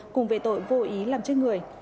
cùng về tội vô ý làm chết người